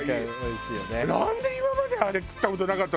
なんで今まであれ食った事なかった。